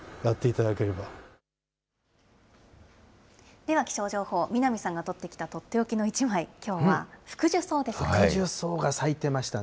では気象情報、南さんが撮ってきた取って置きの１枚、福寿草が咲いてましたね。